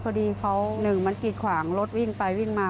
พอดีเขาหนึ่งมันกีดขวางรถวิ่งไปวิ่งมา